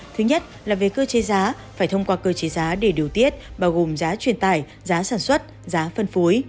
thứ nhất là về cơ chế giá phải thông qua cơ chế giá để điều tiết bao gồm giá truyền tải giá sản xuất giá phân phối